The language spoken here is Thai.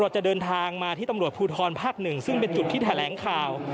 จะเดินทางมาที่ตำรวจภูทรภาค๑ซึ่งเป็นจุดที่แถลงข่าว